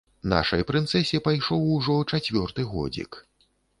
Нашай прынцэсе пайшоў ужо чацвёрты годзік.